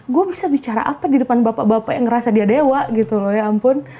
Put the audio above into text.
gue bisa bicara apa di depan bapak bapak yang ngerasa dia dewa gitu loh ya ampun